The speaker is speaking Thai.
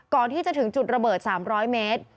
ก่อนที่จะถึงจุดระเบิด๓๐๐เมตร